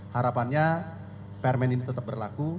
harapannya permanen tetap berlaku